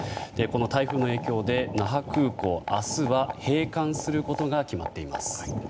台風の影響で那覇空港明日は閉館することが決まっています。